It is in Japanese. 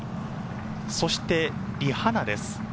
そしてリ・ハナです。